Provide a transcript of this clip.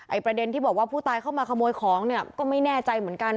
ประเด็นที่บอกว่าผู้ตายเข้ามาขโมยของเนี่ยก็ไม่แน่ใจเหมือนกัน